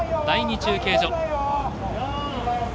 第２中継所。